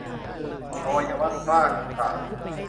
อวัยวะสร้างน้ำตา